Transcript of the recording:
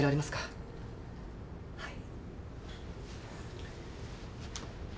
はい。